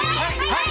はい！